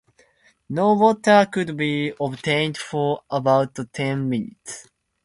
No water could be obtained for about ten minutes.